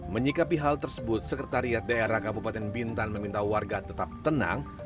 menyikapi hal tersebut sekretariat daerah kabupaten bintan meminta warga tetap tenang